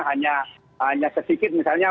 hanya sedikit misalnya